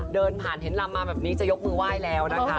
เดินผ่านเห็นลำมาแบบนี้จะยกมือไหว้แล้วนะคะ